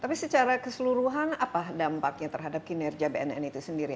tapi secara keseluruhan apa dampaknya terhadap kinerja bnn itu sendiri